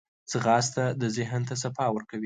ځغاسته د ذهن ته صفا ورکوي